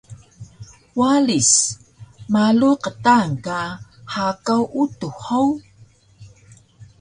Walis: Malu qtaan ka hakaw utux hug?